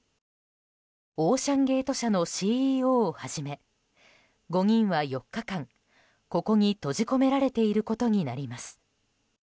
オーシャン・ゲート社のＣＥＯをはじめ５人は４日間ここに閉じ込められていることになります。